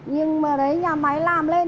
nhưng mà đấy nhà máy làm lên